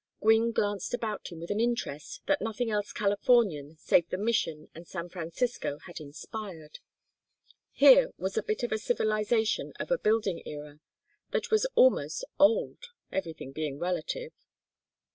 Gwynne glanced about him with an interest that nothing else Californian save the Mission and San Francisco had inspired. Here was a bit of a civilization of a building era, that was almost old, everything being relative.